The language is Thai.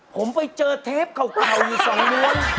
ผมไปเจอเทปเก่าอยู่สองโน้น